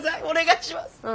お願いします。